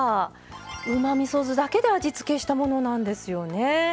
うまみそ酢だけで味付けしたものなんですよね。